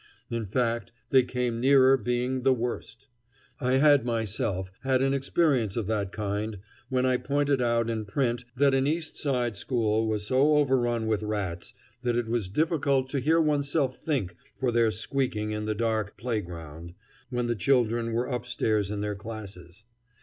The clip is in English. In fact they came nearer being the worst. I had myself had an experience of that kind, when I pointed out in print that an East Side school was so overrun with rats that it was difficult to hear oneself think for their squeaking in the dark "playground," when the children were upstairs in their classes.